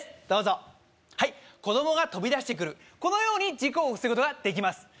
どうぞはい子供が飛び出してくるこのように事故を防ぐことができます